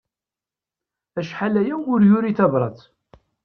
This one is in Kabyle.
Acḥal aya ur yuri tabrat.